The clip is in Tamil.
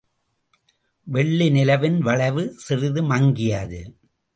வெள்ளி நிலவின் வளைவு சிறிது மங்கியது.